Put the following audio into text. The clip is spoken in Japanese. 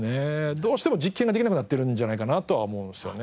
どうしても実験ができなくなってるんじゃないかなとは思うんですよね。